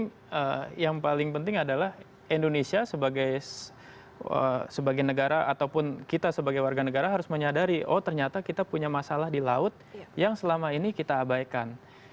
dan yang paling penting adalah indonesia sebagai negara ataupun kita sebagai warga negara harus menyadari oh ternyata kita punya masalah di laut yang selama ini kita abaikan